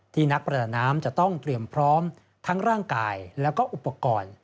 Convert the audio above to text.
นักประดาน้ำจะต้องเตรียมพร้อมทั้งร่างกายแล้วก็อุปกรณ์